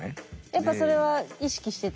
やっぱそれは意識してた？